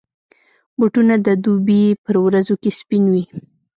بوټونه د دوبي پر ورځو کې سپین وي.